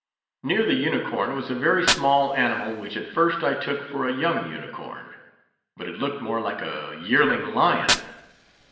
Near the unicorn was a very small animal, which at first I took for a young unicorn; but it looked more like a yearling lion.